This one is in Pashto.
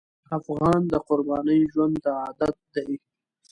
افغان د قربانۍ ژوند ته عادت دی.